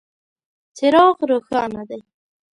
څراغ روښانه دی .